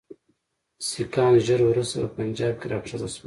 سیکهان ژر وروسته په پنجاب کې را کښته شول.